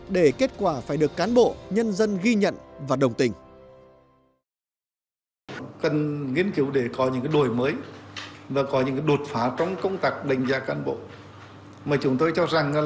để kết quả phải được cán bộ nhân dân ghi nhận và đồng tình